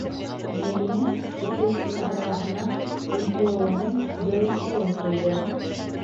Мәҙинә икенсе ҡабырғаһына Көнһылыуының йылышыуын тойҙо.